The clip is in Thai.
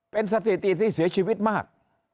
เป็นสถิติที่เสียชีวิตมาก